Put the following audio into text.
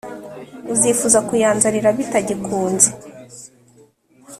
uzifuza kuyanzanira bitagikunze!”.